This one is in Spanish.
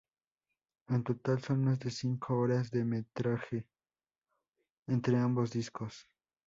En total son más de cinco horas de metraje entre ambos discos.